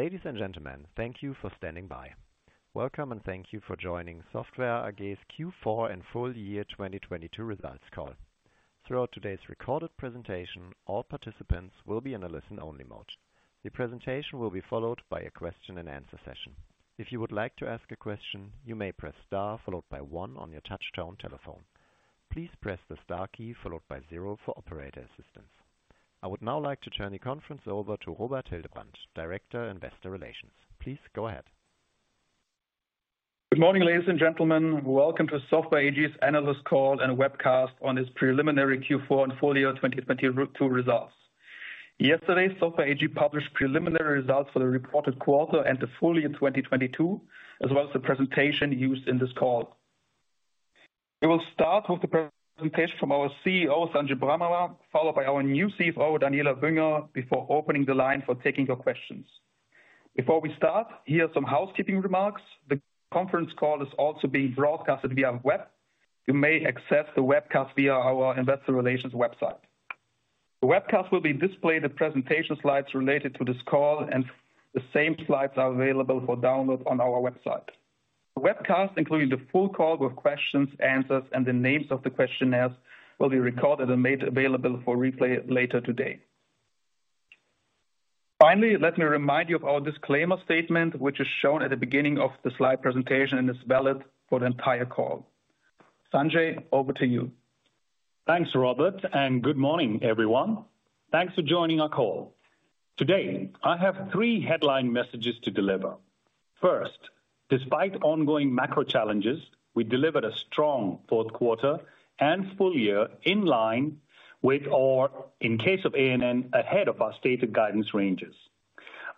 Ladies and gentlemen, thank you for standing by. Welcome and thank you for joining Software AG's Q4 and full year 2022 results call. Throughout today's recorded presentation, all participants will be in a listen-only mode. The presentation will be followed by a question-and-answer session. If you would like to ask a question, you may press star followed by one on your touch-tone telephone. Please press the star key followed by zero for operator assistance. I would now like to turn the conference over to Robert Hildebrandt, Director, Investor Relations. Please go ahead. Good morning, ladies and gentlemen. Welcome to Software AG's analyst call and webcast on its preliminary Q4 and full year 2022 results. Yesterday, Software AG published preliminary results for the reported quarter and the full year 2022, as well as the presentation used in this call. We will start with the presentation from our CEO, Sanjay Brahmawar, followed by our new CFO, Daniela Bünger, before opening the line for taking your questions. Before we start, here are some housekeeping remarks. The conference call is also being broadcasted via web. You may access the webcast via our investor relations website. The webcast will be displayed with presentation slides related to this call and the same slides are available for download on our website. The webcast, including the full call with questions, answers, and the names of the questioners, will be recorded and made available for replay later today. Finally, let me remind you of our disclaimer statement, which is shown at the beginning of the slide presentation and is valid for the entire call. Sanjay, over to you. Thanks, Robert. Good morning, everyone. Thanks for joining our call. Today, I have three headline messages to deliver. First, despite ongoing macro challenges, we delivered a strong fourth quarter and full year in line with our, in case of A&N, ahead of our stated guidance ranges.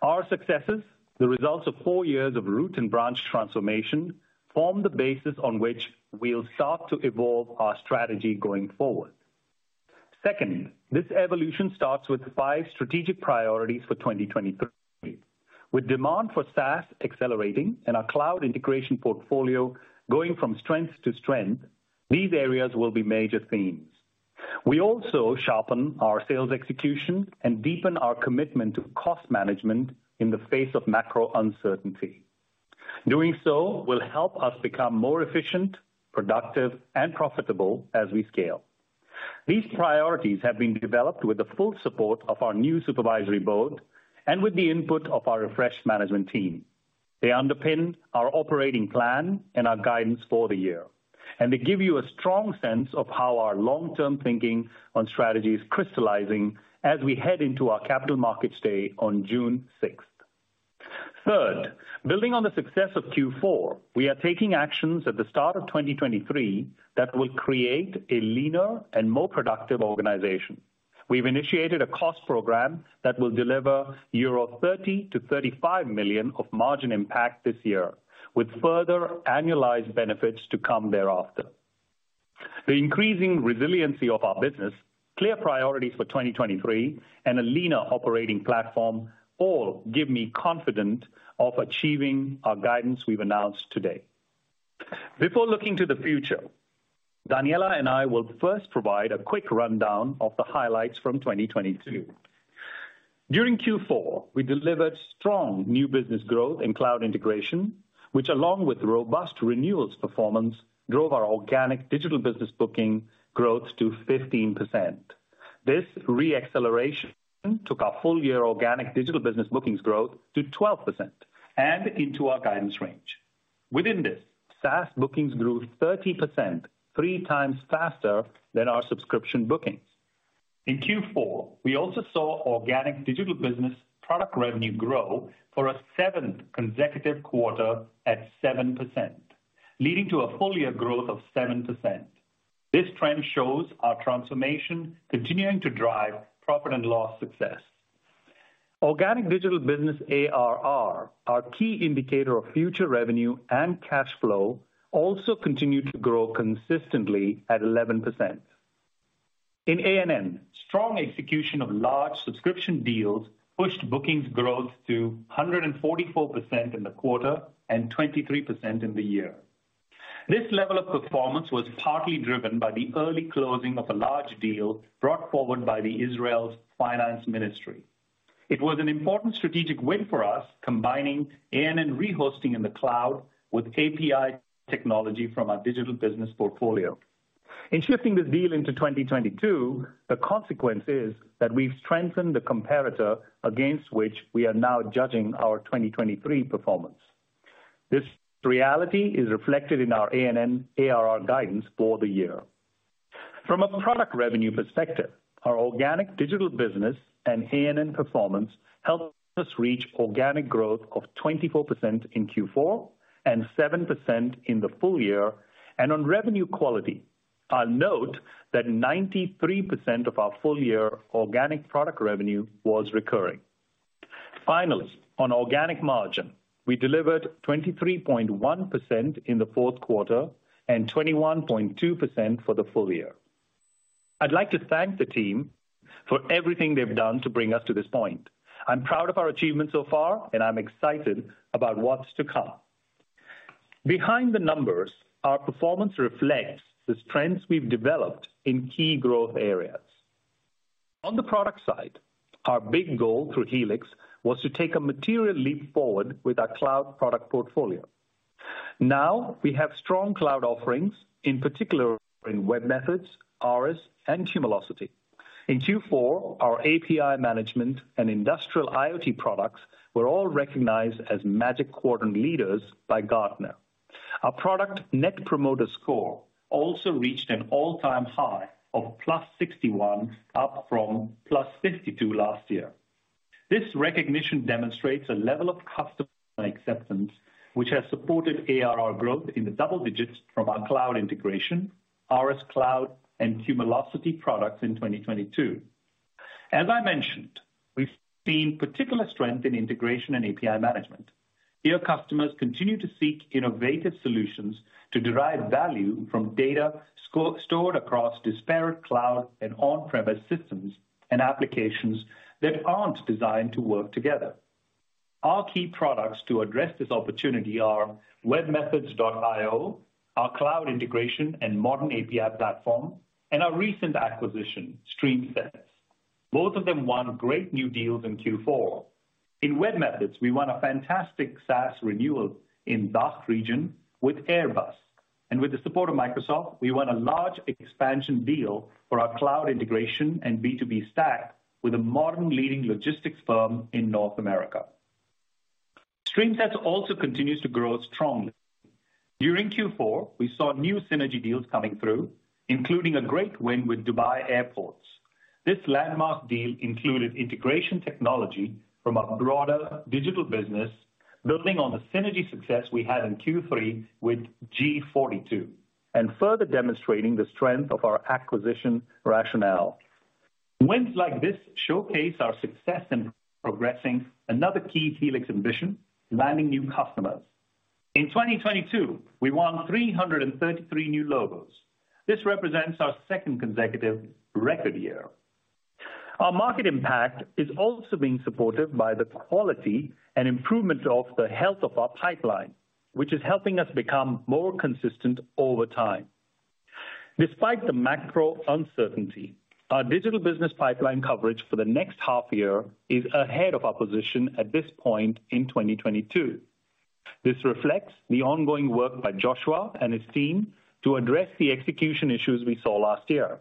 Our successes, the results of four years of root and branch transformation, form the basis on which we'll start to evolve our strategy going forward. Second, this evolution starts with five strategic priorities for 2023. With demand for SaaS accelerating and our cloud integration portfolio going from strength to strength, these areas will be major themes. We also sharpen our sales execution and deepen our commitment to cost management in the face of macro uncertainty. Doing so will help us become more efficient, productive, and profitable as we scale. These priorities have been developed with the full support of our new supervisory board and with the input of our refreshed management team. They underpin our operating plan and our guidance for the year. They give you a strong sense of how our long-term thinking on strategy is crystallizing as we head into our Capital Markets Day on June 6th. Third, building on the success of Q4, we are taking actions at the start of 2023 that will create a leaner and more productive organization. We've initiated a cost program that will deliver 30 million-35 million euro of margin impact this year, with further annualized benefits to come thereafter. The increasing resiliency of our business, clear priorities for 2023, and a leaner operating platform all give me confident of achieving our guidance we've announced today. Before looking to the future, Daniela and I will first provide a quick rundown of the highlights from 2022. During Q4, we delivered strong new business growth in cloud integration, which, along with robust renewals performance, drove our organic Digital business booking growth to 15%. This re-acceleration took our full-year organic Digital business bookings growth to 12% and into our guidance range. Within this, SaaS bookings grew 30%, 3x faster than our subscription bookings. In Q4, we also saw organic Digital business product revenue grow for a seventh consecutive quarter at 7%, leading to a full-year growth of 7%. This trend shows our transformation continuing to drive profit and loss success. Organic Digital business ARR, our key indicator of future revenue and cash flow, also continued to grow consistently at 11%. In A&N, strong execution of large subscription deals pushed bookings growth to 144% in the quarter and 23% in the year. This level of performance was partly driven by the early closing of a large deal brought forward by the Israel's Ministry of Finance. It was an important strategic win for us, combining A&N rehosting in the cloud with API technology from our Digital business portfolio. In shifting this deal into 2022, the consequence is that we've strengthened the comparator against which we are now judging our 2023 performance. This reality is reflected in our A&N ARR guidance for the year. From a product revenue perspective, our organic Digital business and A&N performance helped us reach organic growth of 24% in Q4 and 7% in the full year. On revenue quality, I'll note that 93% of our full-year organic product revenue was recurring. Finally, on organic margin, we delivered 23.1% in the fourth quarter and 21.2% for the full year. I'd like to thank the team for everything they've done to bring us to this point. I'm proud of our achievements so far, and I'm excited about what's to come. Behind the numbers, our performance reflects the strengths we've developed in key growth areas. On the product side, our big goal through Helix was to take a material leap forward with our cloud product portfolio. Now we have strong cloud offerings, in particular in webMethods, ARIS, and Cumulocity. In Q4, our API management and industrial IoT products were all recognized as Magic Quadrant leaders by Gartner. Our product Net Promoter Score also reached an all-time high of +61, up from +52 last year. This recognition demonstrates a level of customer acceptance which has supported ARR growth in the double digits from our cloud integration, ARIS Cloud, and Cumulocity products in 2022. As I mentioned, we've seen particular strength in integration and API management. Here, customers continue to seek innovative solutions to derive value from data stored across disparate cloud and on-premise systems and applications that aren't designed to work together. Our key products to address this opportunity are webMethods.io, our cloud integration and modern API platform, and our recent acquisition, StreamSets. Both of them won great new deals in Q4. In webMethods, we won a fantastic SaaS renewal in DACH region with Airbus. With the support of Microsoft, we won a large expansion deal for our cloud integration and B2B stack with a modern leading logistics firm in North America. StreamSets also continues to grow strongly. During Q4, we saw new synergy deals coming through, including a great win with Dubai Airports. This landmark deal included integration technology from our broader Digital business, building on the synergy success we had in Q3 with G42, and further demonstrating the strength of our acquisition rationale. Wins like this showcase our success in progressing another key Helix ambition, landing new customers. In 2022, we won 333 new logos. This represents our second consecutive record year. Our market impact is also being supported by the quality and improvement of the health of our pipeline, which is helping us become more consistent over time. Despite the macro uncertainty, our Digital business pipeline coverage for the next half year is ahead of our position at this point in 2022. This reflects the ongoing work by Joshua and his team to address the execution issues we saw last year.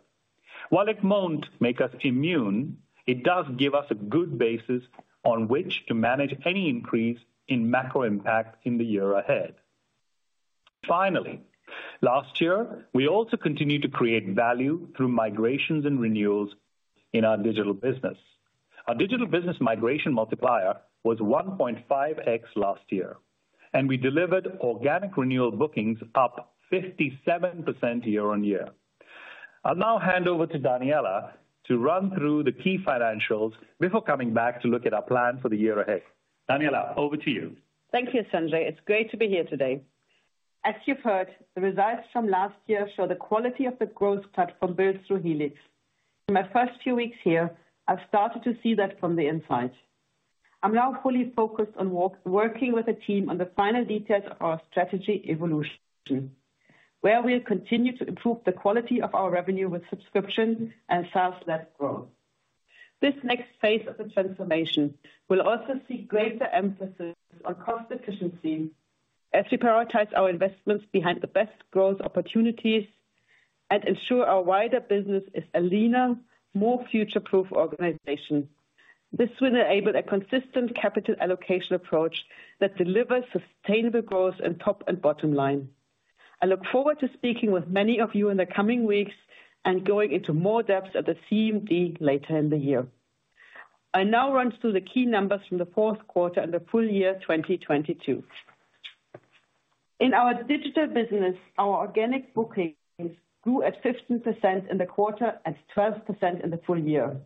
While it won't make us immune, it does give us a good basis on which to manage any increase in macro impact in the year ahead. Last year, we also continued to create value through migrations and renewals in our Digital business. Our Digital business migration multiplier was 1.5x last year, and we delivered organic renewal bookings up 57% year-over-year. I'll now hand over to Daniela to run through the key financials before coming back to look at our plan for the year ahead. Daniela, over to you. Thank you, Sanjay. It's great to be here today. As you've heard, the results from last year show the quality of the growth platform built through Helix. In my first few weeks here, I've started to see that from the inside. I'm now fully focused on work, working with the team on the final details of our strategy evolution, where we'll continue to improve the quality of our revenue with subscription and SaaS-led growth. This next phase of the transformation will also see greater emphasis on cost efficiency as we prioritize our investments behind the best growth opportunities and ensure our wider business is a leaner, more future-proof organization. This will enable a consistent capital allocation approach that delivers sustainable growth in top and bottom line. I look forward to speaking with many of you in the coming weeks and going into more depth at the CMD later in the year. I now run through the key numbers from the fourth quarter and the full year 2022. In our Digital business, our organic bookings grew at 15% in the quarter and 12% in the full year.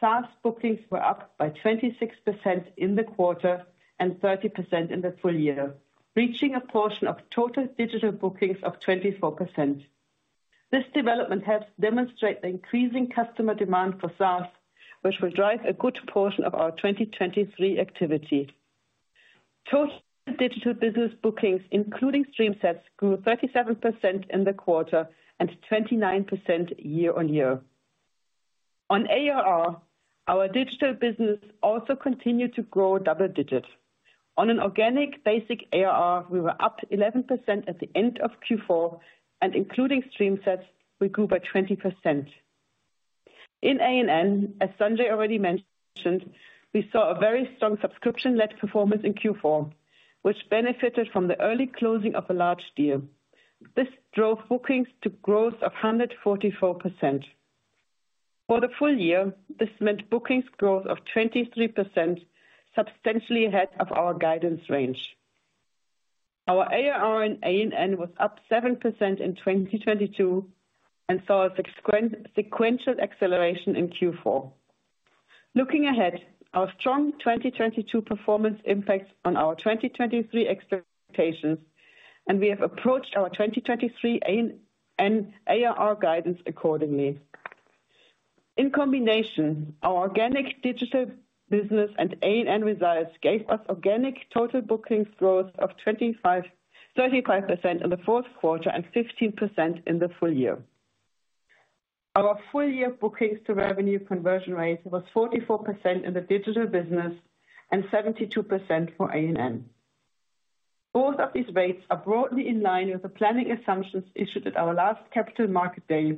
SaaS bookings were up by 26% in the quarter and 30% in the full year, reaching a portion of total digital bookings of 24%. This development helps demonstrate the increasing customer demand for SaaS, which will drive a good portion of our 2023 activity. Total Digital business bookings, including StreamSets, grew 37% in the quarter and 29% year-over-year. On ARR, our Digital business also continued to grow double digits. On an organic basic ARR, we were up 11% at the end of Q4, and including StreamSets, we grew by 20%. In A&N, as Sanjay already mentioned, we saw a very strong subscription-led performance in Q4, which benefited from the early closing of a large deal. This drove bookings to growth of 144%. For the full year, this meant bookings growth of 23%, substantially ahead of our guidance range. Our ARR in A&N was up 7% in 2022 and saw a sequential acceleration in Q4. Looking ahead, our strong 2022 performance impacts on our 2023 expectations, and we have approached our 2023 A&N ARR guidance accordingly. In combination, our organic Digital business and A&N results gave us organic total bookings growth of 25, 35% in the fourth quarter and 15% in the full year. Our full year bookings to revenue conversion rate was 44% in the Digital business and 72% for A&N. Both of these rates are broadly in line with the planning assumptions issued at our last Capital Market Day,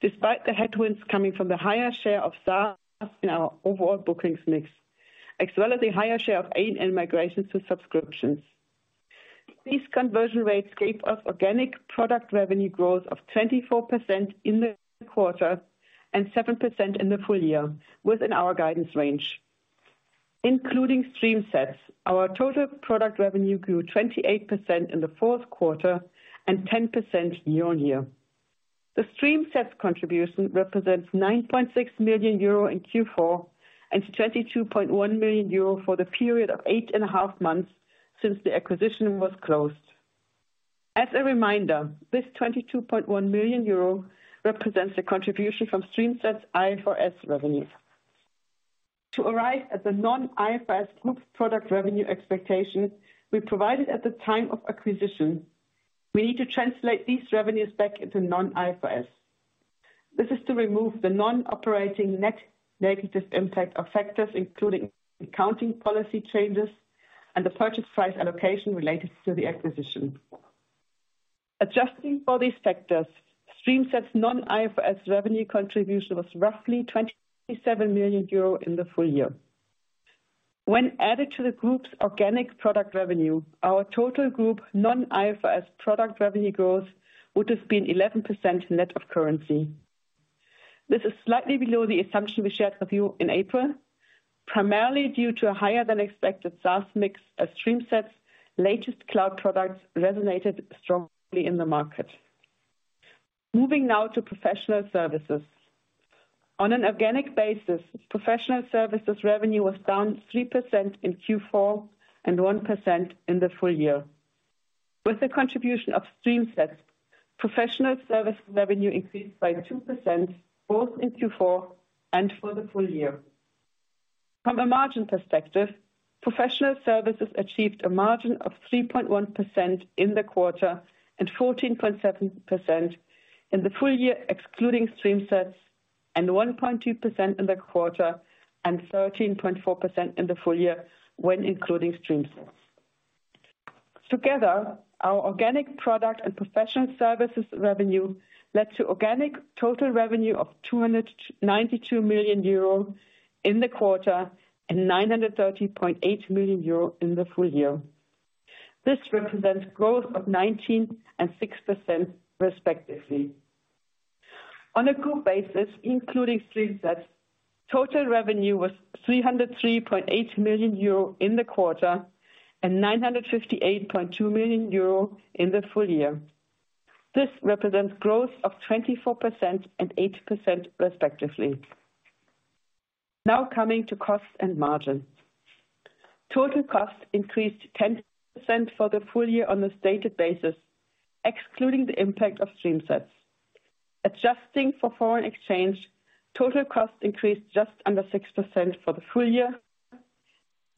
despite the headwinds coming from the higher share of SaaS in our overall bookings mix. As well as the higher share of A&N migrations to subscriptions. These conversion rates gave us organic product revenue growth of 24% in the quarter and 7% in the full year, within our guidance range. Including StreamSets, our total product revenue grew 28% in the fourth quarter and 10% year-on-year. The StreamSets contribution represents 9.6 million euro in Q4 and 22.1 million euro for the period of 8.5 months since the acquisition was closed. As a reminder, this 22.1 million euro represents the contribution from StreamSets IFRS revenues. To arrive at the non-IFRS group product revenue expectation we provided at the time of acquisition, we need to translate these revenues back into non-IFRS. This is to remove the non-operating net negative impact of factors, including accounting policy changes and the purchase price allocation related to the acquisition. Adjusting for these factors, StreamSets non-IFRS revenue contribution was roughly 27 million euro in the full year. When added to the group's organic product revenue, our total group non-IFRS product revenue growth would have been 11% net of currency. This is slightly below the assumption we shared with you in April, primarily due to a higher than expected SaaS mix as StreamSets latest cloud products resonated strongly in the market. Moving now to professional services. On an organic basis, professional services revenue was down 3% in Q4 and 1% in the full year. With the contribution of StreamSets, professional service revenue increased by 2% both in Q4 and for the full year. From a margin perspective, professional services achieved a margin of 3.1% in the quarter, and 14.7% in the full year, excluding StreamSets, and 1.2% in the quarter and 13.4% in the full year when including StreamSets. Together, our organic product and professional services revenue led to organic total revenue of 292 million euro in the quarter and 930.8 million euro in the full year. This represents growth of 19% and 6% respectively. On a group basis, including StreamSets, total revenue was 303.8 million euro in the quarter and 958.2 million euro in the full year. This represents growth of 24% and 8% respectively. Now coming to costs and margins. Total costs increased 10% for the full year on a stated basis, excluding the impact of StreamSets. Adjusting for foreign exchange, total costs increased just under 6% for the full year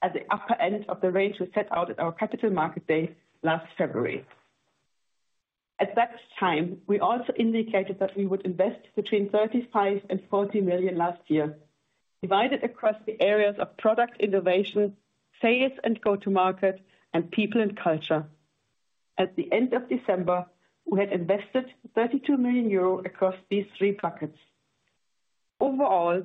at the upper end of the range we set out at our Capital Market Day last February. At that time, we also indicated that we would invest between 35 million and 40 million last year, divided across the areas of product innovation, sales, and go to market, and people and culture. At the end of December, we had invested 32 million euro across these three buckets. Overall,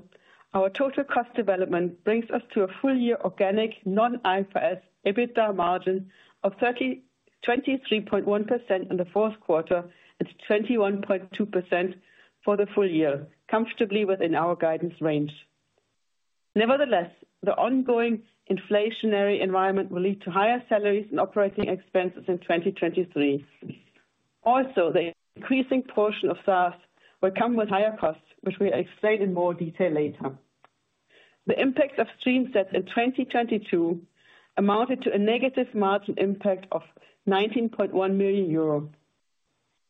our total cost development brings us to a full year organic non-IFRS EBITDA margin of 23.1% in the fourth quarter and 21.2% for the full year, comfortably within our guidance range. Nevertheless, the ongoing inflationary environment will lead to higher salaries and operating expenses in 2023. The increasing portion of SaaS will come with higher costs, which we'll explain in more detail later. The impact of StreamSets in 2022 amounted to a negative margin impact of 19.1 million euro,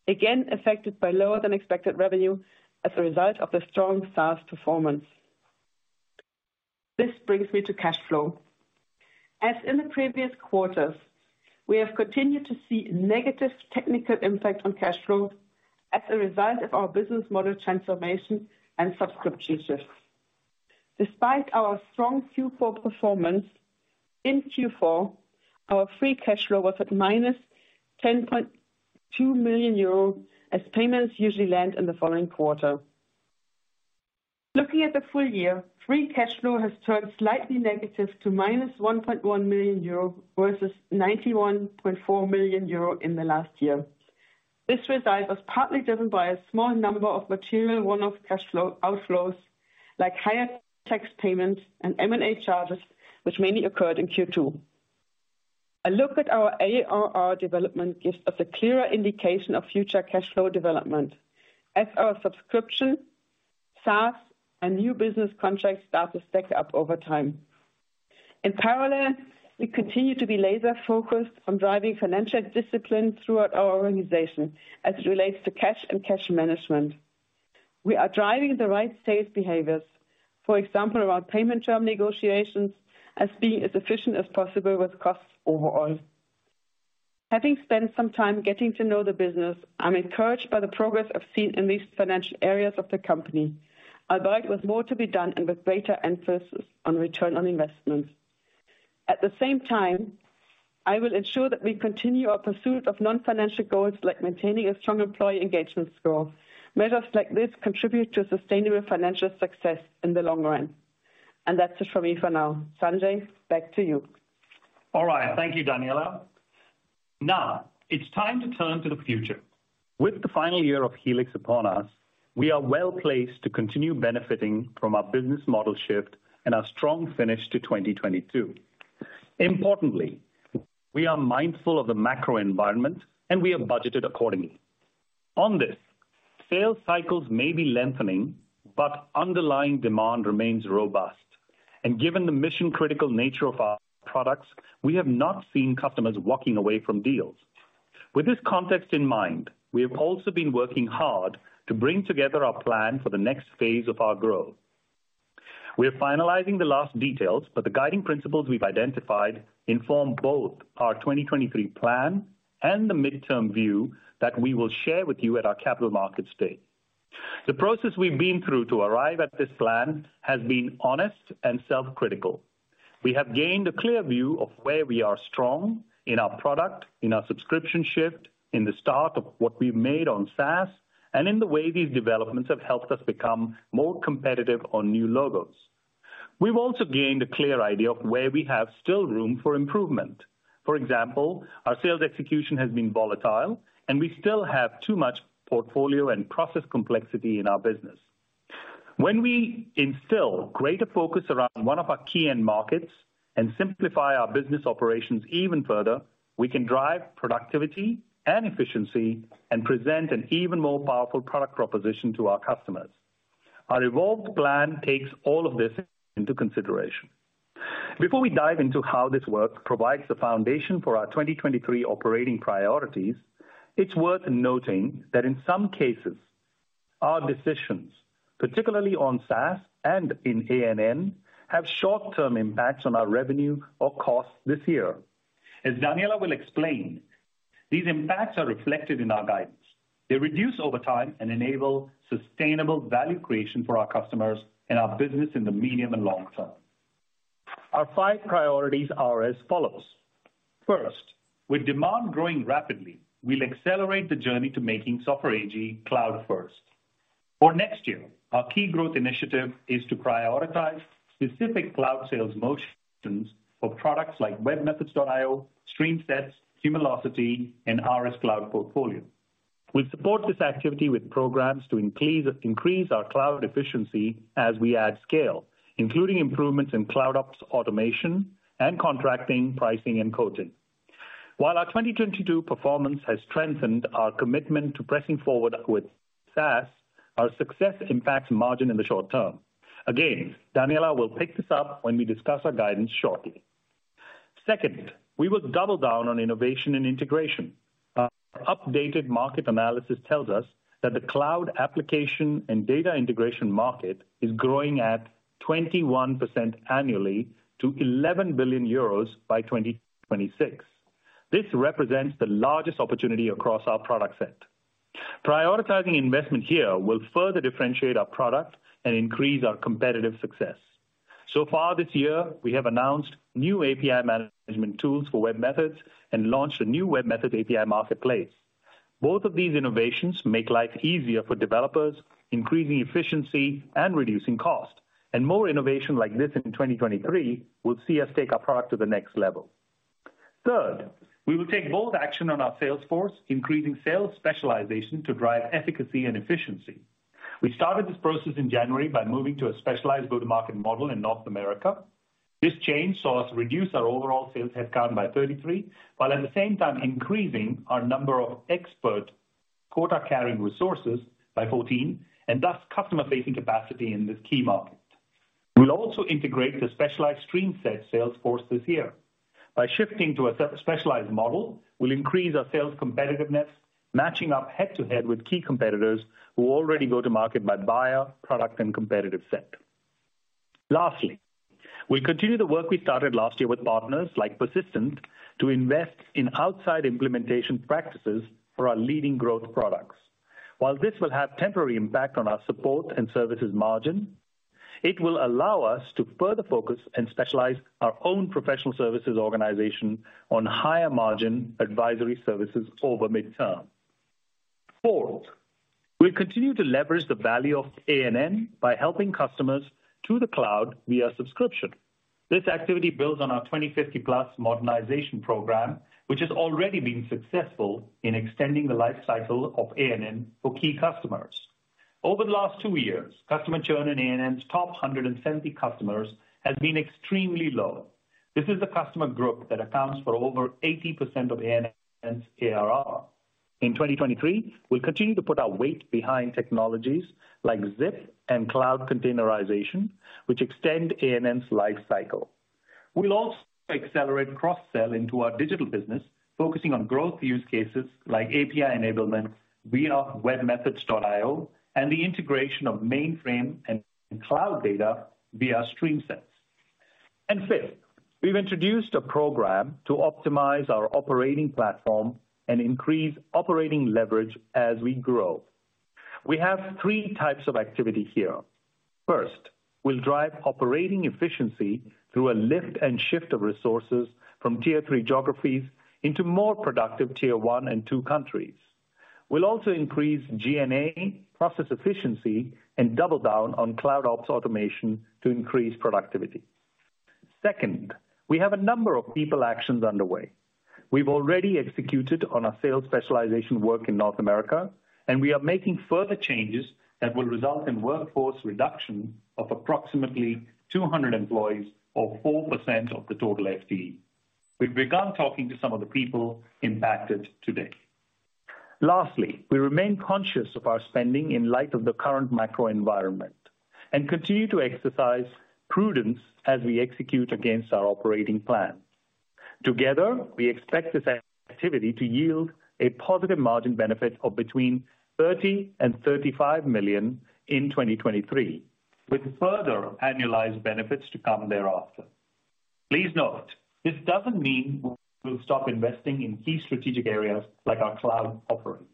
again affected by lower than expected revenue as a result of the strong SaaS performance. This brings me to cash flow. As in the previous quarters, we have continued to see negative technical impact on cash flow as a result of our business model transformation and subscription shifts. Despite our strong Q4 performance, in Q4, our free cash flow was at minus 10.2 million euro as payments usually land in the following quarter. Looking at the full year, free cash flow has turned slightly negative to minus 1.1 million euro, versus 91.4 million euro in the last year. This result was partly driven by a small number of material one-off cash flow outflows, like higher tax payments and M&A charges, which mainly occurred in Q2. A look at our ARR development gives us a clearer indication of future cash flow development as our subscription, SaaS and new business contracts start to stack up over time. In parallel, we continue to be laser focused on driving financial discipline throughout our organization as it relates to cash and cash management. We are driving the right sales behaviors, for example, around payment term negotiations as being as efficient as possible with costs overall. Having spent some time getting to know the business, I'm encouraged by the progress I've seen in these financial areas of the company. Albeit with more to be done and with greater emphasis on return on investment. At the same time, I will ensure that we continue our pursuit of non-financial goals like maintaining a strong employee engagement score. Measures like this contribute to sustainable financial success in the long run. That's it from me for now. Sanjay, back to you. All right. Thank you, Daniela. Now it's time to turn to the future. With the final year of Helix upon us, we are well-placed to continue benefiting from our business model shift and our strong finish to 2022. Importantly, we are mindful of the macro environment. We have budgeted accordingly. On this, sales cycles may be lengthening, but underlying demand remains robust. Given the mission-critical nature of our products, we have not seen customers walking away from deals. With this context in mind, we have also been working hard to bring together our plan for the next phase of our growth. We are finalizing the last details, but the guiding principles we've identified inform both our 2023 plan and the midterm view that we will share with you at our capital market state. The process we've been through to arrive at this plan has been honest and self-critical. We have gained a clear view of where we are strong in our product, in our subscription shift, in the start of what we've made on SaaS, and in the way these developments have helped us become more competitive on new logos. We've also gained a clear idea of where we have still room for improvement. For example, our sales execution has been volatile, and we still have too much portfolio and process complexity in our business. When we instill greater focus around one of our key end markets and simplify our business operations even further, we can drive productivity and efficiency and present an even more powerful product proposition to our customers. Our evolved plan takes all of this into consideration. Before we dive into how this work provides the foundation for our 2023 operating priorities, it's worth noting that in some cases, our decisions, particularly on SaaS and in A&N, have short-term impacts on our revenue or costs this year. As Daniela will explain, these impacts are reflected in our guidance. They reduce overtime and enable sustainable value creation for our customers and our business in the medium and long term. Our five priorities are as follows. First, with demand growing rapidly, we'll accelerate the journey to making Software AG cloud first. For next year, our key growth initiative is to prioritize specific cloud sales motions of products like webMethods.io, StreamSets, Cumulocity, and ARIS Cloud portfolio. We support this activity with programs to increase our CloudOps efficiency as we add scale, including improvements in CloudOps automation and contracting, pricing, and quoting. While our 2022 performance has strengthened our commitment to pressing forward with SaaS, our success impacts margin in the short term. Again, Daniela will pick this up when we discuss our guidance shortly. Second, we will double down on innovation and integration. Our updated market analysis tells us that the cloud application and data integration market is growing at 21% annually to 11 billion euros by 2026. This represents the largest opportunity across our product set. Prioritizing investment here will further differentiate our product and increase our competitive success. So far this year, we have announced new API management tools for webMethods and launched a new webMethods API Marketplace. Both of these innovations make life easier for developers, increasing efficiency and reducing cost. More innovation like this in 2023 will see us take our product to the next level. Third, we will take bold action on our sales force, increasing sales specialization to drive efficacy and efficiency. We started this process in January by moving to a specialized go-to-market model in North America. This change saw us reduce our overall sales headcount by 33, while at the same time increasing our number of expert quota-carrying resources by 14, and thus customer-facing capacity in this key market. We'll also integrate the specialized StreamSets sales force this year. By shifting to a specialized model, we'll increase our sales competitiveness, matching up head-to-head with key competitors who already go to market by buyer, product, and competitive set. Lastly, we'll continue the work we started last year with partners like Persistent to invest in outside implementation practices for our leading growth products. While this will have temporary impact on our support and services margin, it will allow us to further focus and specialize our own professional services organization on higher margin advisory services over midterm. We continue to leverage the value of A&N by helping customers to the cloud via subscription. This activity builds on our 2050+ Modernization Program, which has already been successful in extending the life cycle of A&N for key customers. Over the last two years, customer churn in A&N's top 170 customers has been extremely low. This is a customer group that accounts for over 80% of A&N's ARR. In 2023, we'll continue to put our weight behind technologies like zIIP and cloud containerization, which extend A&N's life cycle. We'll also accelerate cross-sell into our Digital business, focusing on growth use cases like API enablement, VNO webMethods.io, and the integration of mainframe and cloud data via StreamSets. Fifth, we've introduced a program to optimize our operating platform and increase operating leverage as we grow. We have three types of activity here. First, we'll drive operating efficiency through a lift and shift of resources from tier three geographies into more productive tier one and two countries. We'll also increase G&A, process efficiency, and double down on CloudOps automation to increase productivity. Second, we have a number of people actions underway. We've already executed on our sales specialization work in North America. We are making further changes that will result in workforce reduction of approximately 200 employees or 4% of the total FTE. We've begun talking to some of the people impacted today. We remain conscious of our spending in light of the current macro environment and continue to exercise prudence as we execute against our operating plan. We expect this activity to yield a positive margin benefit of between 30 million and 35 million in 2023, with further annualized benefits to come thereafter. This doesn't mean we'll stop investing in key strategic areas like our cloud offerings.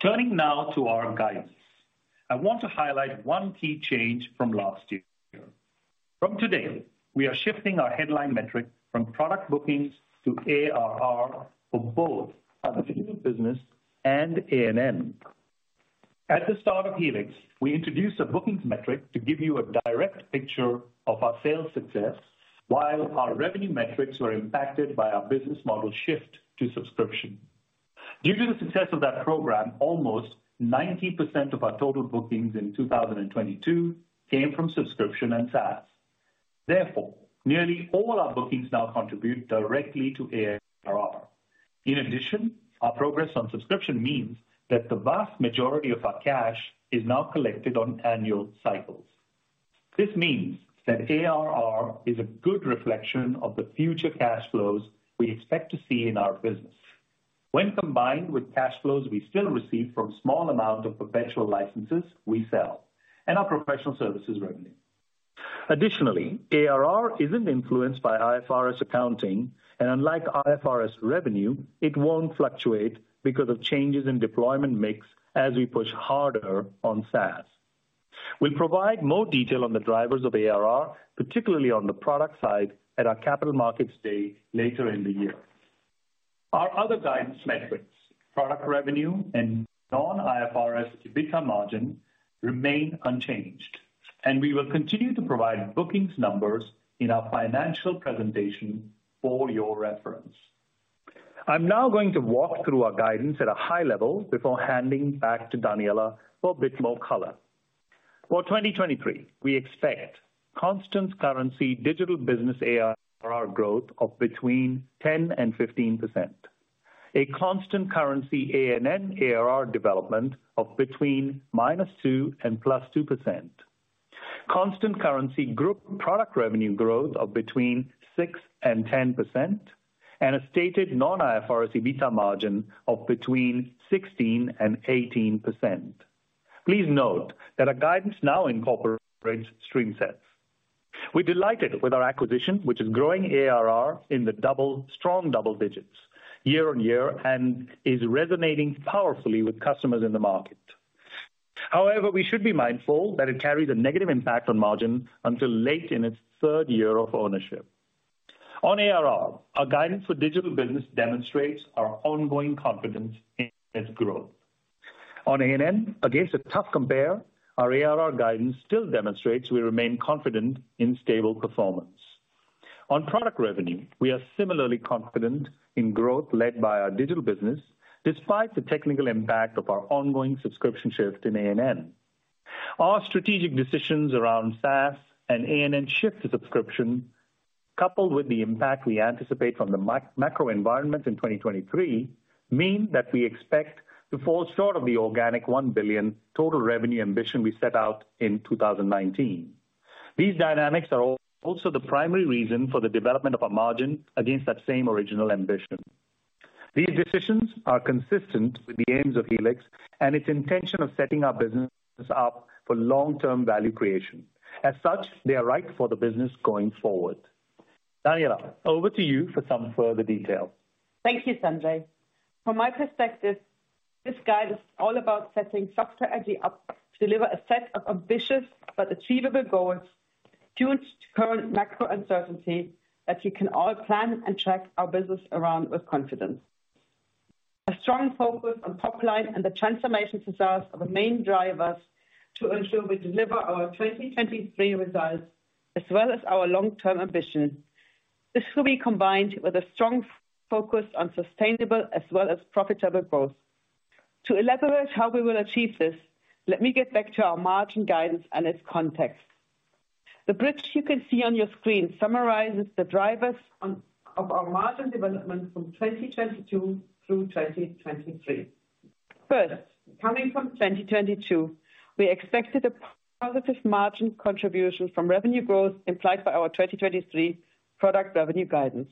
Turning now to our guidance. I want to highlight one key change from last year. We are shifting our headline metric from product bookings to ARR for both our Digital business and A&N. At the start of Helix, we introduced a bookings metric to give you a direct picture of our sales success while our revenue metrics were impacted by our business model shift to subscription. Due to the success of that program, almost 90% of our total bookings in 2022 came from subscription and SaaS. Nearly all our bookings now contribute directly to ARR. Our progress on subscription means that the vast majority of our cash is now collected on annual cycles. This means that ARR is a good reflection of the future cash flows we expect to see in our business. When combined with cash flows we still receive from small amount of perpetual licenses we sell and our professional services revenue. ARR isn't influenced by IFRS accounting, and unlike IFRS revenue, it won't fluctuate because of changes in deployment mix as we push harder on SaaS. We'll provide more detail on the drivers of ARR, particularly on the product side, at our capital markets day later in the year. Our other guidance metrics, product revenue and non-IFRS EBITDA margin, remain unchanged. We will continue to provide bookings numbers in our financial presentation for your reference. I'm now going to walk through our guidance at a high level before handing back to Daniela for a bit more color. For 2023, we expect constant currency Digital business ARR growth of between 10% and 15%. A constant currency A&N ARR development of between -2% and +2%. Constant currency group product revenue growth of between 6% and 10%, and a stated non-IFRS EBITDA margin of between 16% and 18%. Please note that our guidance now incorporates StreamSets. We're delighted with our acquisition, which is growing ARR in the strong double digits year-over-year and is resonating powerfully with customers in the market. We should be mindful that it carries a negative impact on margin until late in its third year of ownership. On ARR, our guidance for Digital business demonstrates our ongoing confidence in its growth. On A&N, against a tough compare, our ARR guidance still demonstrates we remain confident in stable performance. On product revenue, we are similarly confident in growth led by our Digital business despite the technical impact of our ongoing subscription shift in A&N. Our strategic decisions around SaaS and A&N shift to subscription, coupled with the impact we anticipate from the macro environment in 2023, mean that we expect to fall short of the organic 1 billion total revenue ambition we set out in 2019. These dynamics are also the primary reason for the development of our margin against that same original ambition. These decisions are consistent with the aims of Helix and its intention of setting our businesses up for long-term value creation. As such, they are right for the business going forward. Daniela, over to you for some further detail. Thank you, Sanjay. From my perspective, this guide is all about setting Software AG up to deliver a set of ambitious but achievable goals tuned to current macro uncertainty that we can all plan and track our business around with confidence. A strong focus on top line and the transformation to SaaS are the main drivers to ensure we deliver our 2023 results as well as our long-term ambition. This will be combined with a strong focus on sustainable as well as profitable growth. To elaborate how we will achieve this, let me get back to our margin guidance and its context. The bridge you can see on your screen summarizes the drivers of our margin development from 2022 through 2023. First, coming from 2022, we expected a positive margin contribution from revenue growth implied by our 2023 product revenue guidance.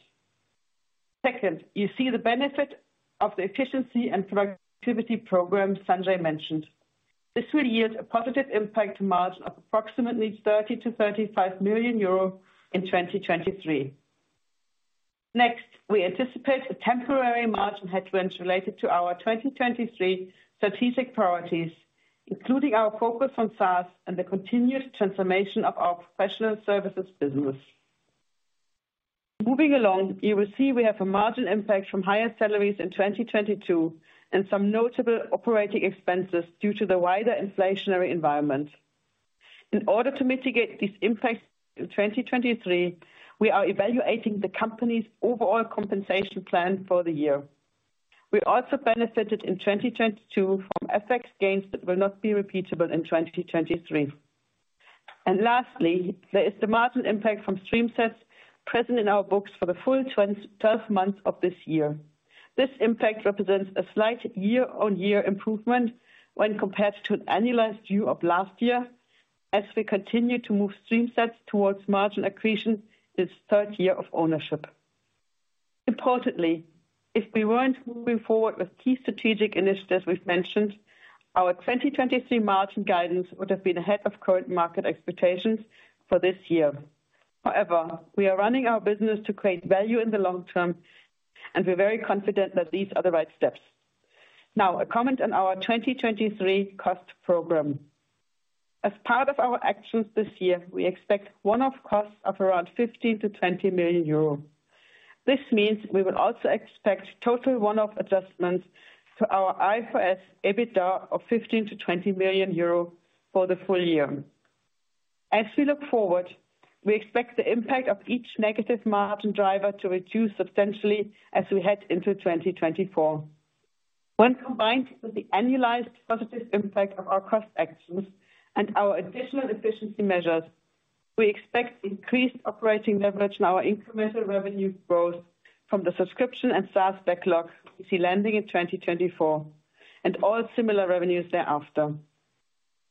Second, you see the benefit of the efficiency and productivity program Sanjay mentioned. This will yield a positive impact to margin of approximately 30 million-35 million euro in 2023. Next, we anticipate a temporary margin headwind related to our 2023 strategic priorities, including our focus on SaaS and the continuous transformation of our professional services business. Moving along, you will see we have a margin impact from higher salaries in 2022 and some notable operating expenses due to the wider inflationary environment. In order to mitigate these impacts in 2023, we are evaluating the company's overall compensation plan for the year. We also benefited in 2022 from FX gains that will not be repeatable in 2023. Lastly, there is the margin impact from StreamSets present in our books for the full 12 months of this year. This impact represents a slight year-on-year improvement when compared to an annualized view of last year as we continue to move StreamSets towards margin accretion this third year of ownership. Importantly, if we weren't moving forward with key strategic initiatives we've mentioned, our 2023 margin guidance would have been ahead of current market expectations for this year. However, we are running our business to create value in the long term, and we're very confident that these are the right steps. Now, a comment on our 2023 cost program. As part of our actions this year, we expect one-off costs of around 15 million-20 million euros. This means we will also expect total one-off adjustments to our IFRS EBITDA of 15 million-20 million euro for the full year. As we look forward, we expect the impact of each negative margin driver to reduce substantially as we head into 2024. When combined with the annualized positive impact of our cost actions and our additional efficiency measures, we expect increased operating leverage in our incremental revenue growth from the subscription and SaaS backlog we see landing in 2024, and all similar revenues thereafter.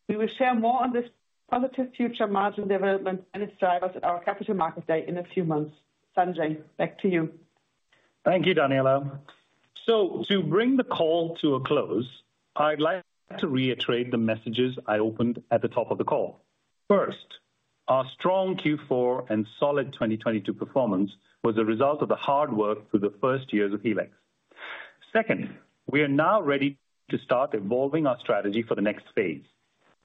We will share more on this positive future margin development and its drivers at our capital market day in a few months. Sanjay, back to you. Thank you, Daniela. To bring the call to a close, I'd like to reiterate the messages I opened at the top of the call. First, our strong Q4 and solid 2022 performance was a result of the hard work through the first years of Helix. Second, we are now ready to start evolving our strategy for the next phase.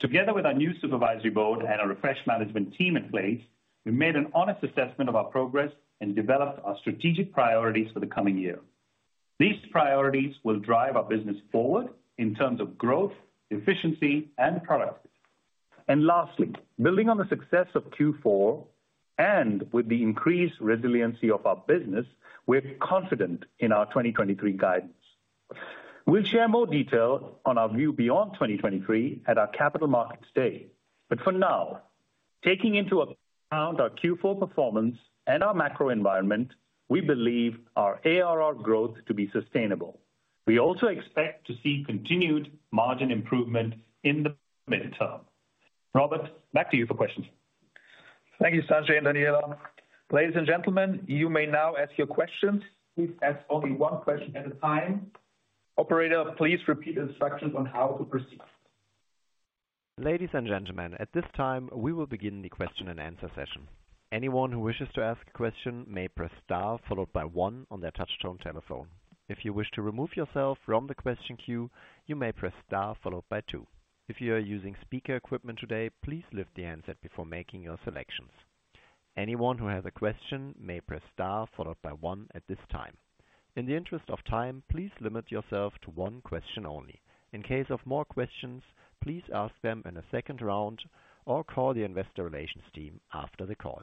Together with our new supervisory board and our refreshed management team in place, we made an honest assessment of our progress and developed our strategic priorities for the coming year. These priorities will drive our business forward in terms of growth, efficiency and productivity. Lastly, building on the success of Q4 and with the increased resiliency of our business, we're confident in our 2023 guidance. We'll share more detail on our view beyond 2023 at our capital markets day. For now, taking into account our Q4 performance and our macro environment, we believe our ARR growth to be sustainable. We also expect to see continued margin improvement in the midterm. Robert, back to you for questions. Thank you, Sanjay and Daniela. Ladies and gentlemen, you may now ask your questions. Please ask only one question at a time. Operator, please repeat the instructions on how to proceed. Ladies and gentlemen, at this time, we will begin the question-and-answer session. Anyone who wishes to ask a question may press star followed by one on their touchtone telephone. If you wish to remove yourself from the question queue, you may press star followed by two. If you are using speaker equipment today, please lift the handset before making your selections. Anyone who has a question may press star followed by one at this time. In the interest of time, please limit yourself to one question only. In case of more questions, please ask them in a second round or call the investor relations team after the call.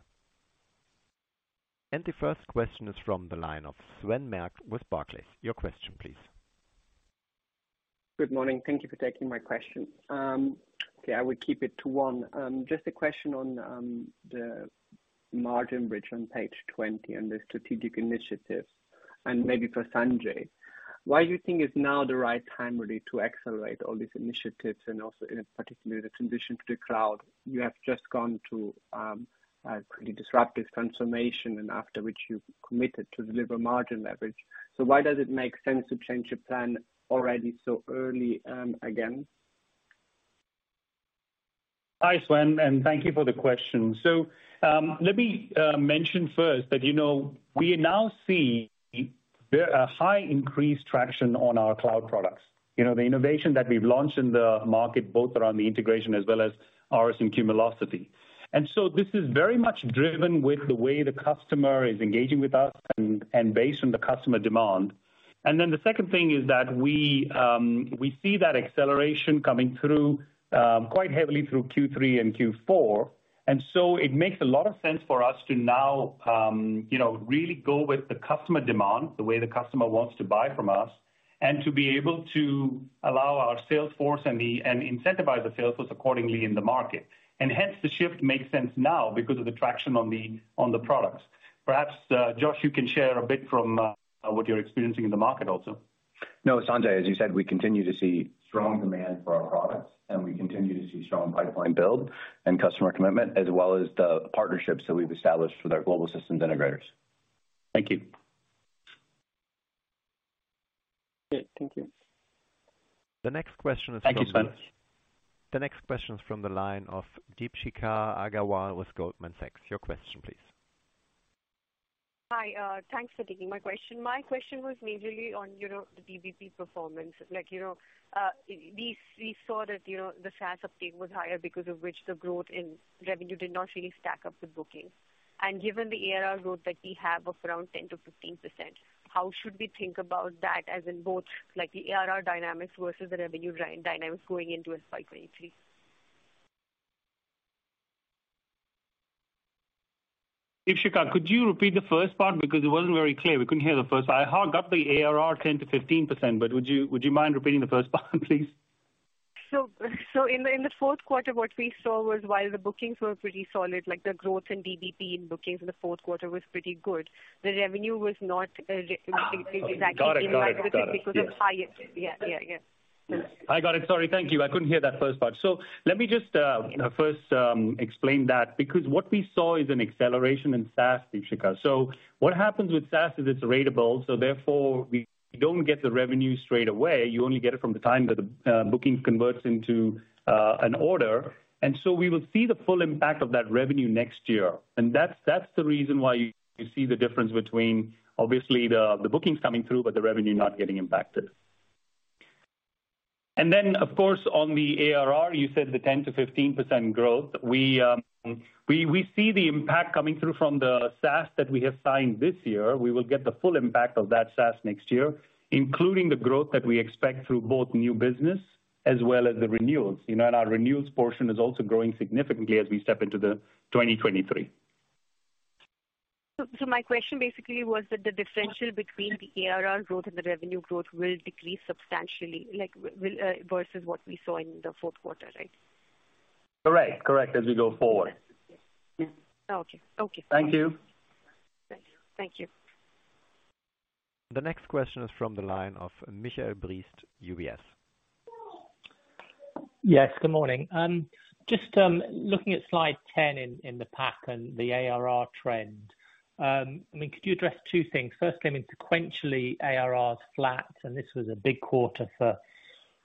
The first question is from the line of Sven Merkt with Barclays. Your question, please. Good morning. Thank you for taking my question. Okay, I will keep it to one. Just a question on the margin bridge on page 20 and the strategic initiatives. Maybe for Sanjay. Why you think it's now the right time really to accelerate all these initiatives and also in particular the transition to the cloud? You have just gone through a pretty disruptive transformation and after which you've committed to deliver margin leverage. Why does it make sense to change your plan already so early again? Hi, Sven, and thank you for the question. Let me mention first that, you know, we now see a high increased traction on our cloud products. You know, the innovation that we've launched in the market, both around the integration as well as ARIS and Cumulocity. This is very much driven with the way the customer is engaging with us and based on the customer demand. Then the second thing is that we see that acceleration coming through quite heavily through Q3 and Q4. It makes a lot of sense for us to now, you know, really go with the customer demand, the way the customer wants to buy from us, and to be able to allow our sales force and incentivize the sales force accordingly in the market. The shift makes sense now because of the traction on the, on the products. Perhaps, Josh, you can share a bit from, what you're experiencing in the market also. No, Sanjay, as you said, we continue to see strong demand for our products, and we continue to see strong pipeline build and customer commitment, as well as the partnerships that we've established with our global systems integrators. Thank you. Great. Thank you. The next question is from. Thank you so much. The next question is from the line of Deepshikha Agarwal with Goldman Sachs. Your question please. Hi, thanks for taking my question. My question was majorly on, you know, the DBP performance. Like, you know, we saw that, you know, the SaaS uptake was higher because of which the growth in revenue did not really stack up with bookings. Given the ARR growth that we have of around 10%-15%, how should we think about that as in both like the ARR dynamics versus the revenue dynamics going into FY 2023? Deepshikha, could you repeat the first part? It wasn't very clear. We couldn't hear the first part. I heard up the ARR 10%-15%, would you mind repeating the first part please? In the fourth quarter, what we saw was while the bookings were pretty solid, like the growth in DBP in bookings in the fourth quarter was pretty good, the revenue was not. Okay. Exactly in line. Got it. Got it. Got it. Yes. with it because of high I got it. Sorry. Thank you. I couldn't hear that first part. Let me just first explain that because what we saw is an acceleration in SaaS, Deepshikha. What happens with SaaS is it's ratable, so therefore we don't get the revenue straight away. You only get it from the time that the booking converts into an order. We will see the full impact of that revenue next year. That's the reason why you see the difference between obviously the bookings coming through but the revenue not getting impacted. Then of course on the ARR, you said the 10%-15% growth. We see the impact coming through from the SaaS that we have signed this year. We will get the full impact of that SaaS next year, including the growth that we expect through both new business as well as the renewals. You know, our renewals portion is also growing significantly as we step into 2023. My question basically was that the differential between the ARR growth and the revenue growth will decrease substantially, like will, versus what we saw in the fourth quarter, right? Correct. As we go forward. Okay. Okay. Thank you. Thank you. The next question is from the line of Michael Briest, UBS. Yes. Good morning. Just looking at slide 10 in the pack and the ARR trend, I mean, could you address two things? First, I mean sequentially, ARR is flat, and this was a big quarter for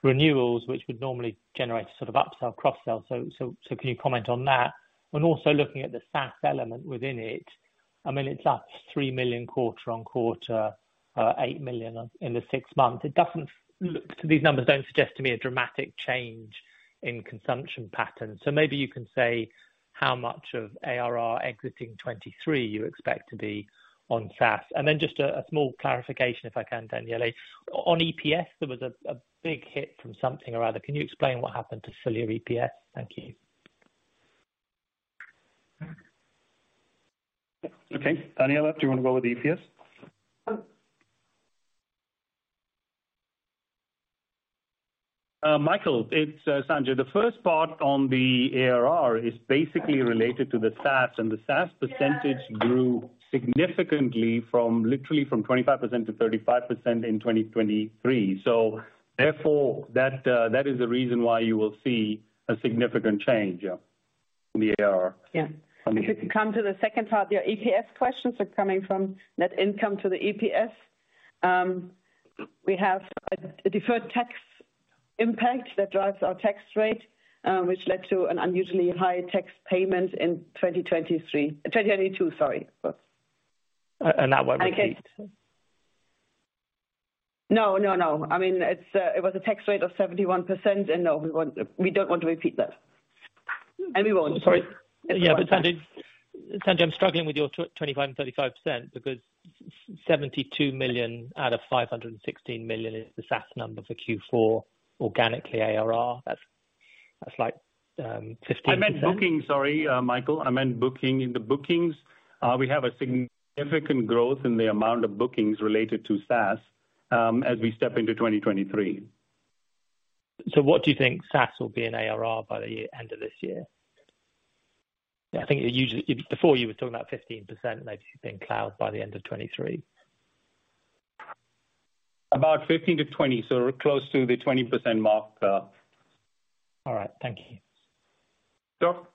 renewals, which would normally generate sort of upsell, cross-sell. Can you comment on that? Looking at the SaaS element within it, I mean it's up 3 million quarter on quarter, 8 million in the six months. These numbers don't suggest to me a dramatic change in consumption patterns. Maybe you can say how much of ARR exiting 2023 you expect to be on SaaS. Just a small clarification if I can, Daniela. On EPS, there was a big hit from something or other. Can you explain what happened to full year EPS? Thank you. Okay. Daniela, do you wanna go with EPS? Michael, it's Sanjay. The first part on the ARR is basically related to the SaaS. The SaaS percentage grew significantly from literally from 25% to 35% in 2023. Therefore that is the reason why you will see a significant change, yeah, in the ARR. Yeah. If we come to the second part, your EPS questions are coming from net income to the EPS. We have a deferred tax impact that drives our tax rate, which led to an unusually high tax payment in 2023. 2022, sorry. That won't repeat? No, no. I mean, it's, it was a tax rate of 71%. No, we won't, we don't want to repeat that. We won't. Sorry. Yeah, Sanjay, I'm struggling with your 25% and 35% because 72 million out of 516 million is the SaaS number for Q4 organically ARR. That's like 15%. I meant booking. Sorry, Michael, I meant booking. In the bookings, we have a significant growth in the amount of bookings related to SaaS, as we step into 2023. What do you think SaaS will be in ARR by the year, end of this year? I think you before you were talking about 15% maybe in cloud by the end of 2023. About 15%-20%, so we're close to the 20% mark. All right. Thank you. Sure.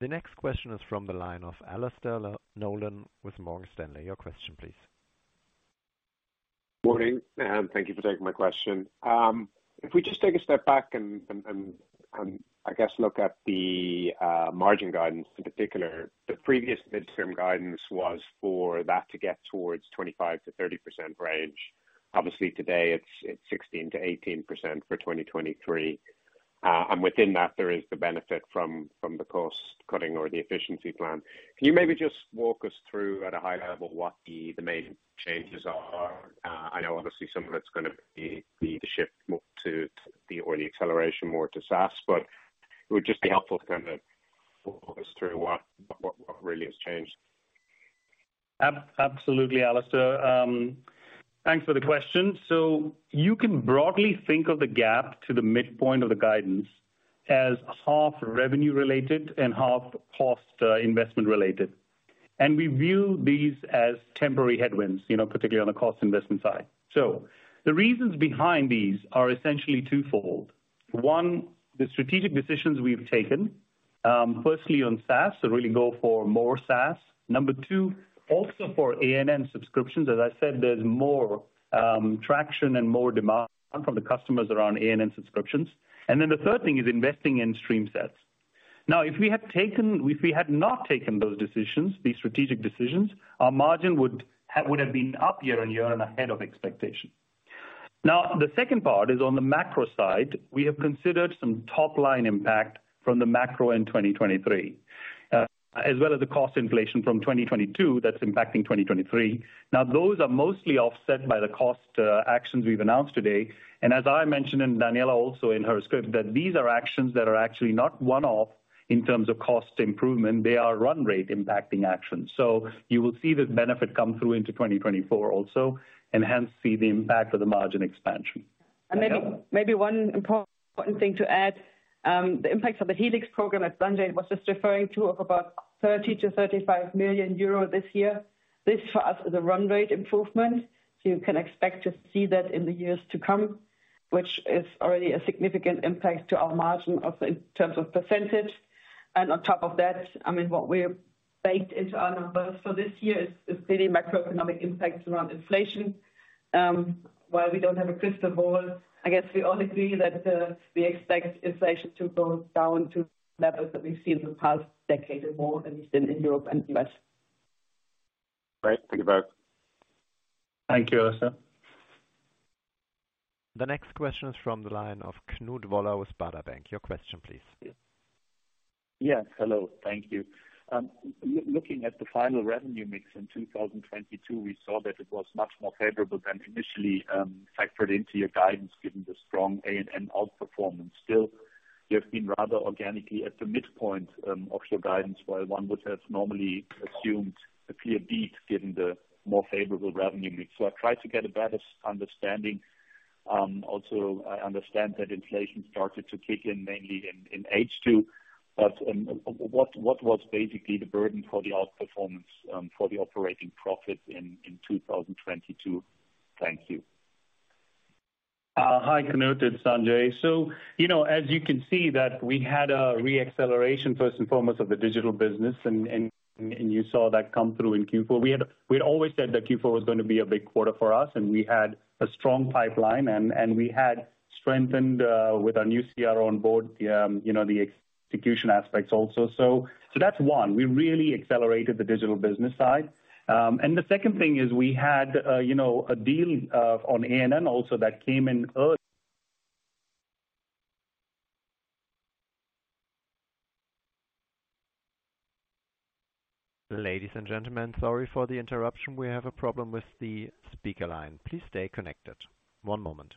The next question is from the line of Alastair Nolan with Morgan Stanley. Your question please. Morning. Thank you for taking my question. If we just take a step back and I guess look at the margin guidance in particular, the previous mid-term guidance was for that to get towards 25%-30% range. Obviously today it's 16%-18% for 2023. Within that there is the benefit from the cost cutting or the efficiency plan. Can you maybe just walk us through at a high level what the main changes are? I know obviously some of it's gonna be the shift more to the early acceleration more to SaaS, but it would just be helpful to kinda walk us through what really has changed. Absolutely, Alastair. Thanks for the question. You can broadly think of the gap to the midpoint of the guidance as half revenue related and half cost investment related. We view these as temporary headwinds, you know, particularly on the cost investment side. The reasons behind these are essentially twofold. One, the strategic decisions we've taken, firstly on SaaS, really go for more SaaS. Number two, also for A&N subscriptions. As I said, there's more traction and more demand from the customers around A&N subscriptions. The third thing is investing in StreamSets. If we had not taken those decisions, these strategic decisions, our margin would've been up year-on-year and ahead of expectation. The second part is on the macro side, we have considered some top line impact from the macro in 2023, as well as the cost inflation from 2022 that's impacting 2023. Those are mostly offset by the cost actions we've announced today. As I mentioned, and Daniela also in her script, that these are actions that are actually not one-off in terms of cost improvement. They are run rate impacting actions. You will see the benefit come through into 2024 also, and hence see the impact of the margin expansion. Maybe one important thing to add, the impacts of the Helix program that Sanjay was just referring to of about 30 million-35 million euro this year. This for us is a run rate improvement, you can expect to see that in the years to come, which is already a significant impact to our margin in terms of percentage. On top of that, I mean, what we've baked into our numbers for this year is really macroeconomic impacts around inflation. While we don't have a crystal ball, I guess we all agree that we expect inflation to go down to levels that we've seen in the past decade or more, at least in Europe and U.S. Great. Thank you both. Thank you, Alastair. The next question is from the line of Knut Woller with Baader Bank. Your question please. Yeah, hello. Thank you. looking at the final revenue mix in 2022, we saw that it was much more favorable than initially factored into your guidance given the strong A&N outperformance. Still, you have been rather organically at the midpoint of your guidance, while one would have normally assumed a clear beat given the more favorable revenue mix. I tried to get a better understanding. Also, I understand that inflation started to kick in mainly in H2. What was basically the burden for the outperformance for the operating profit in 2022? Thank you. Hi, Knut, it's Sanjay. You know, as you can see that we had a re-acceleration first and foremost of the Digital business and you saw that come through in Q4. We'd always said that Q4 was going to be a big quarter for us, and we had a strong pipeline and we had strengthened with our new CRO on board, the, you know, the execution aspects also. That's one, we really accelerated the Digital business side. The second thing is we had, you know, a deal on A&N also that came in. Ladies and gentlemen, sorry for the interruption. We have a problem with the speaker line. Please stay connected. One moment.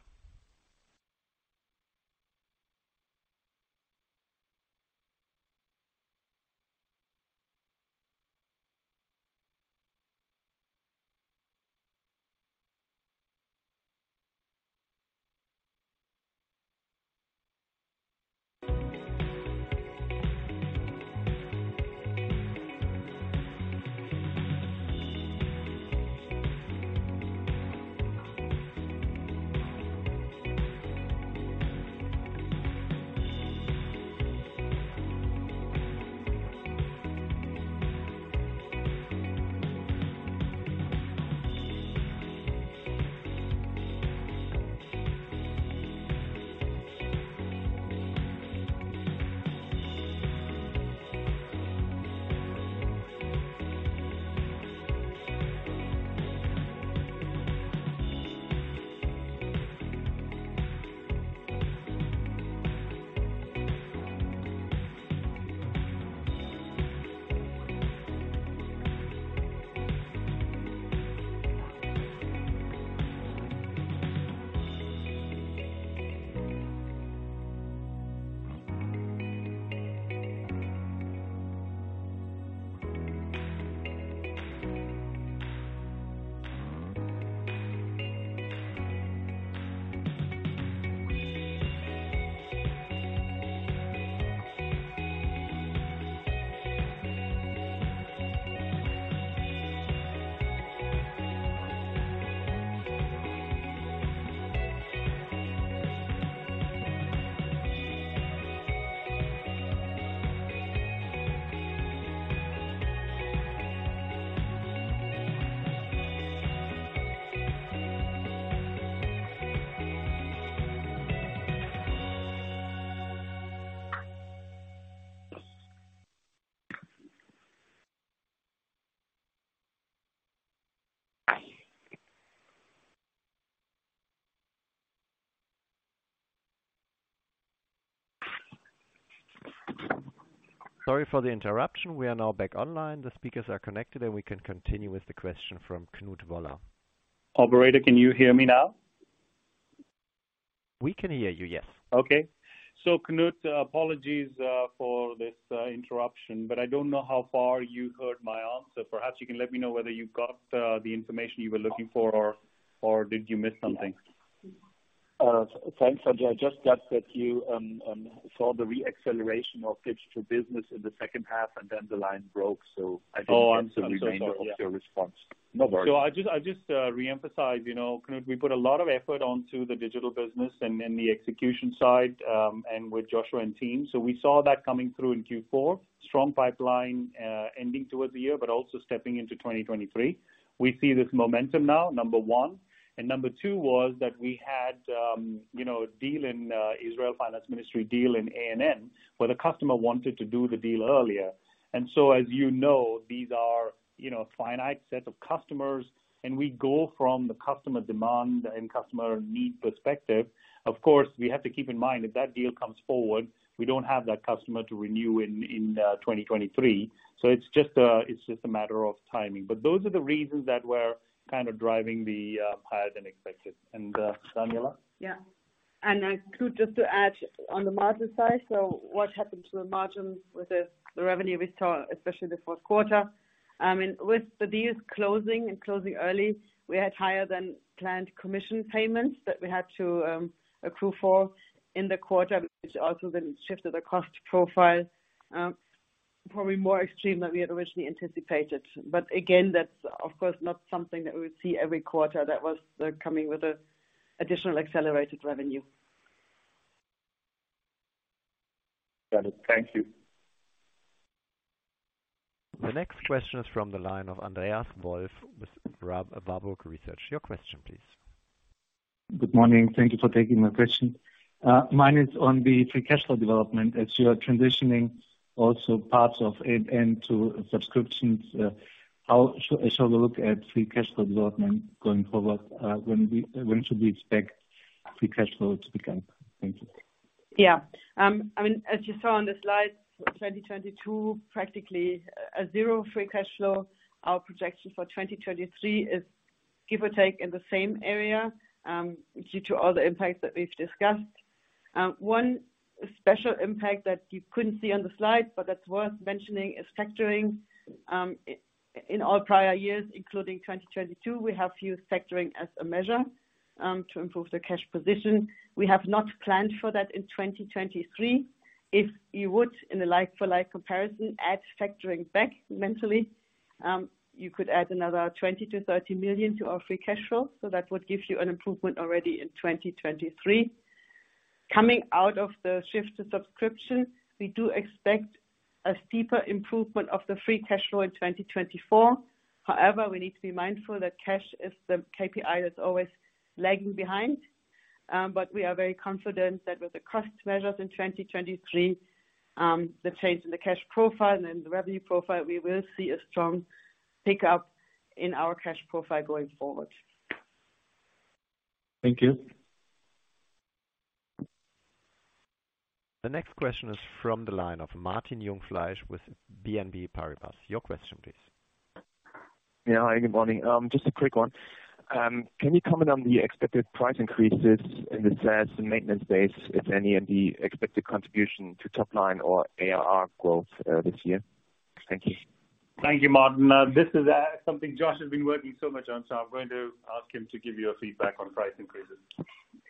Sorry for the interruption. We are now back online. The speakers are connected, and we can continue with the question from Knut Woller. Operator, can you hear me now? We can hear you, yes. Okay. Knut, apologies, for this, interruption, but I don't know how far you heard my answer. Perhaps you can let me know whether you got the information you were looking for or did you miss something? Thanks, Sanjay. I just got that you saw the re-acceleration of Digital business in the second half and then the line broke, so I didn't get... Oh, I'm sorry about that. The remainder of your response. No worries. I just reemphasize, you know, Knut, we put a lot of effort onto the Digital business and the execution side, and with Joshua and team. We saw that coming through in Q4. Strong pipeline, ending towards the year but also stepping into 2023. We see this momentum now, number one. Number two was that we had, you know, a deal in Israel Finance Ministry deal in A&N, where the customer wanted to do the deal earlier. As you know, these are, you know, finite set of customers, and we go from the customer demand and customer need perspective. Of course, we have to keep in mind if that deal comes forward, we don't have that customer to renew in 2023. It's just a matter of timing. Those are the reasons that we're kind of driving the higher than expected. Daniela? Yeah. Knut, just to add on the margin side. What happened to the margins with the revenue we saw, especially the fourth quarter? I mean, with the deals closing and closing early, we had higher than planned commission payments that we had to accrue for in the quarter, which also then shifted the cost profile probably more extreme than we had originally anticipated. Again, that's of course not something that we would see every quarter. That was coming with the additional accelerated revenue. Got it. Thank you. The next question is from the line of Andreas Wolf with Warburg Research. Your question please. Good morning. Thank you for taking my question. Mine is on the free cash flow development as you are transitioning also parts of A&N to subscriptions. How shall we look at free cash flow development going forward? When should we expect free cash flow to begin? Thank you. Yeah. I mean, as you saw on the slides, 2022 practically a zero free cash flow. Our projection for 2023 is give or take in the same area, due to all the impacts that we've discussed. One special impact that you couldn't see on the slide but that's worth mentioning is factoring. In all prior years, including 2022, we have used factoring as a measure to improve the cash position. We have not planned for that in 2023. If you would, in a like for like comparison, add factoring back mentally, you could add another 20 million-30 million to our free cash flow. That would give you an improvement already in 2023. Coming out of the shift to subscription, we do expect a steeper improvement of the free cash flow in 2024. We need to be mindful that cash is the KPI that's always lagging behind. We are very confident that with the cost measures in 2023, the change in the cash profile and the revenue profile, we will see a strong pickup in our cash profile going forward. Thank you. The next question is from the line of Martin Jungfleisch with BNP Paribas. Your question please. Yeah. Hi, good morning. Just a quick one. Can you comment on the expected price increases in the SaaS and maintenance base, if any, and the expected contribution to top line or ARR growth, this year? Thank you. Thank you, Martin. This is something Josh has been working so much on, so I'm going to ask him to give you a feedback on price increases.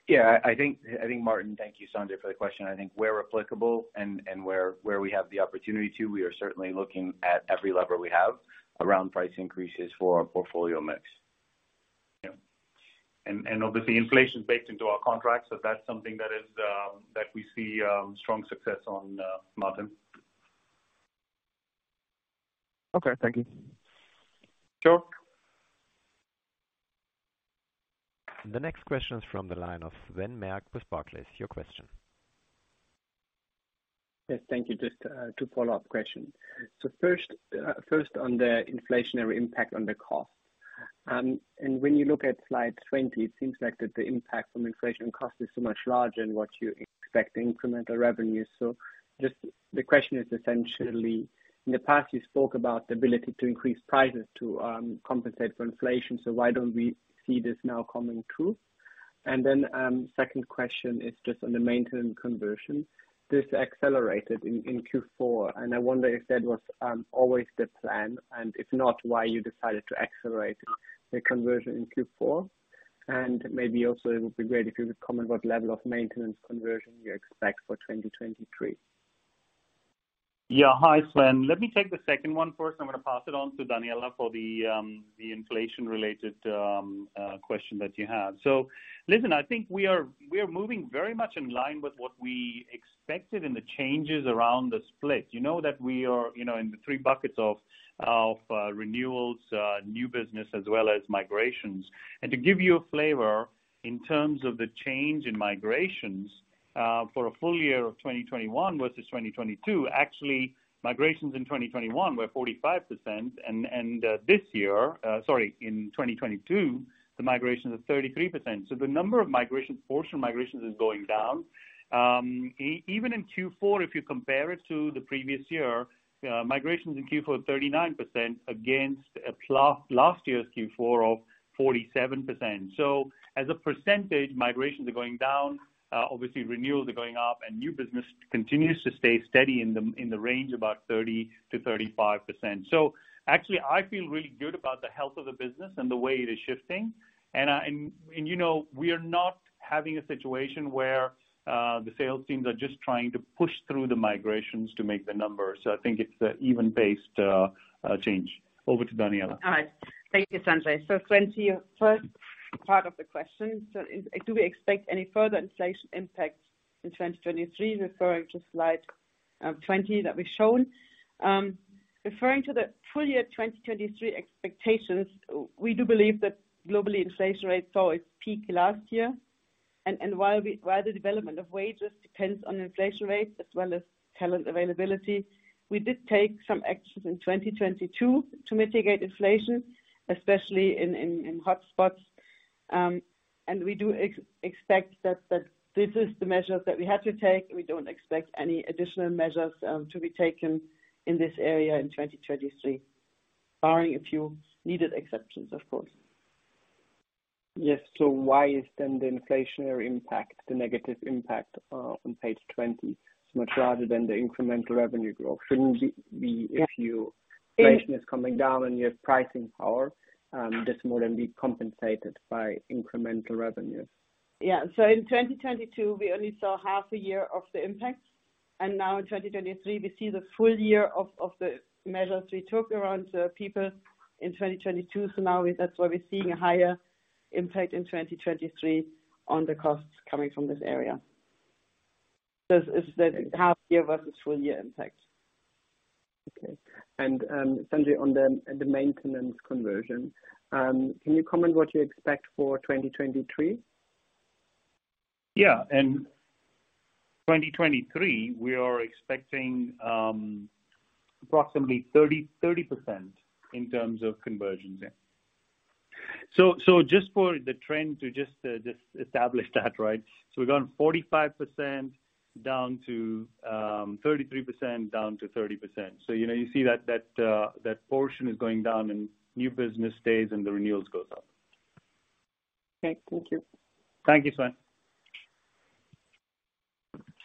Yeah. I think Martin, thank you, Sanjay, for the question. I think where applicable and where we have the opportunity to, we are certainly looking at every lever we have around price increases for our portfolio mix. Yeah. Obviously inflation's baked into our contracts, so that's something that is, that we see, strong success on, Martin. Okay. Thank you. Sure. The next question is from the line of Sven Merkt with Barclays. Your question. Yes, thank you. Just two follow-up question. First, first on the inflationary impact on the cost. When you look at slide 20, it seems like that the impact from inflation cost is so much larger than what you expect the incremental revenue. Just the question is essentially, in the past you spoke about the ability to increase prices to compensate for inflation, so why don't we see this now coming through? Second question is just on the maintenance conversion. This accelerated in Q4, and I wonder if that was always the plan and if not, why you decided to accelerate the conversion in Q4. Maybe also it would be great if you would comment what level of maintenance conversion you expect for 2023. Yeah. Hi, Sven. Let me take the second one first. I'm gonna pass it on to Daniela for the inflation related question that you have. Listen, I think we are moving very much in line with what we expected in the changes around the split. You know that we are, you know, in the three buckets of renewals, new business, as well as migrations. To give you a flavor in terms of the change in migrations for a full year of 2021 versus 2022, actually migrations in 2021 were 45% and, in 2022, the migrations are 33%. The portion of migrations is going down. Even in Q4, if you compare it to the previous year, migrations in Q4 were 39% against last year's Q4 of 47%. As a percentage, migrations are going down, obviously renewals are going up, and new business continues to stay steady in the range about 30%-35%. Actually I feel really good about the health of the business and the way it is shifting. You know, we are not having a situation where the sales teams are just trying to push through the migrations to make the numbers. I think it's a even-based change. Over to Daniela. All right. Thank you, Sanjay. First part of the question. Do we expect any further inflation impact in 2023, referring to slide 20 that we've shown? Referring to the full year 2023 expectations, we do believe that globally inflation rates saw its peak last year. While the development of wages depends on inflation rates as well as talent availability, we did take some actions in 2022 to mitigate inflation, especially in hotspots. We do expect that this is the measures that we had to take. We don't expect any additional measures to be taken in this area in 2023, barring a few needed exceptions, of course. Yes. Why is then the inflationary impact, the negative impact, on page 20 much rather than the incremental revenue growth? Shouldn't be. Yeah. If you- If- Inflation is coming down and you have pricing power, this more than be compensated by incremental revenues. Yeah. In 2022, we only saw half a year of the impact. Now in 2023, we see the full year of the measures we took around people in 2022. Now that's why we're seeing a higher impact in 2023 on the costs coming from this area. This is the half year versus full year impact. Okay. Sanjay on the maintenance conversion, can you comment what you expect for 2023? In 2023, we are expecting approximately 30% in terms of conversions. Yeah. Just for the trend to just establish that, right? We've gone 45% down to 33%, down to 30%. You know, you see that portion is going down and new business stays and the renewals goes up. Okay. Thank you. Thank you, Sven.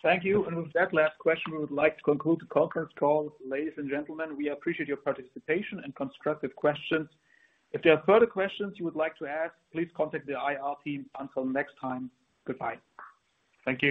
Thank you. With that last question, we would like to conclude the conference call. Ladies and gentlemen, we appreciate your participation and constructive questions. If there are further questions you would like to ask, please contact the IR team. Until next time, goodbye. Thank you.